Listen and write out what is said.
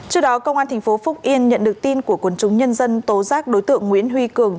trước đó công an tp phúc yên nhận được tin của quân chúng nhân dân tố giác đối tượng nguyễn huy cường